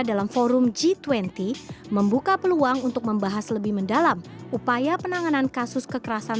dalam forum g dua puluh membuka peluang untuk membahas lebih mendalam upaya penanganan kasus kekerasan